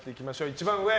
一番上。